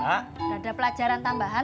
gak ada pelajaran tambahan